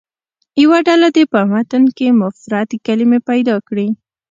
یوه ډله دې په متن کې مفرد کلمې پیدا کړي.